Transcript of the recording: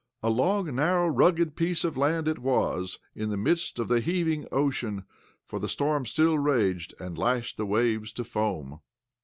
A long, narrow, rugged piece of land it was, in the midst of the heaving ocean, for the storm still raged and lashed the waves to foam.